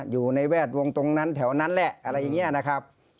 อยู่ในแวดวงตรงนั้นแถวนั้นแหละอะไรอย่างนี้นะครับ